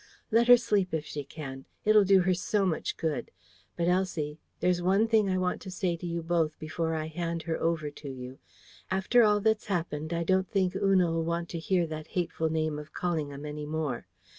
Let her sleep if she can. It'll do her so much good. But, Elsie, there's one thing I want to say to you both before I hand her over to you. After all that's happened, I don't think Una'll want to hear that hateful name of Callingham any more.